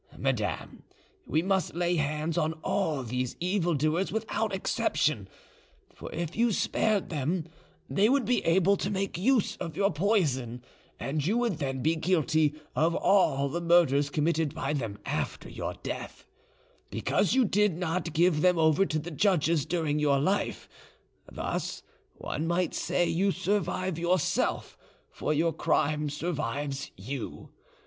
Madame, we must lay hands on all these evil doers without exception; for if you spared them, they would be able to make use of your poison, and you would then be guilty of all the murders committed by them after your death, because you did not give them over to the judges during your life; thus one might say you survive yourself, for your crime survives you.